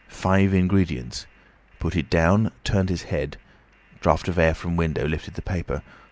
Five ingredients. Put it down; turned his head. Draught of air from window lifted the paper.